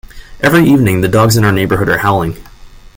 Every evening, the dogs in our neighbourhood are howling.